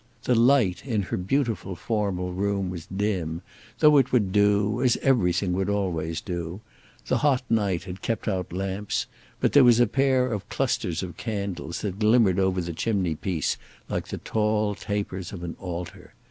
The light in her beautiful formal room was dim, though it would do, as everything would always do; the hot night had kept out lamps, but there was a pair of clusters of candles that glimmered over the chimney piece like the tall tapers of an altar.